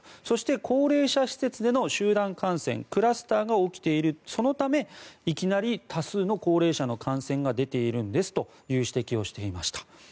そして高齢者施設での集団感染クラスターが起きているそのため、いきなり多数の高齢者の感染が出ているんですという指摘をしていました。